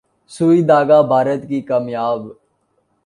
’سوئی دھاگہ‘ بھارت کی کامیاب